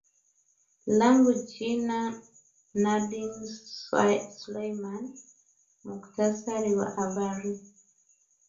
langu jina nurdin selumani mukhtasari wa habari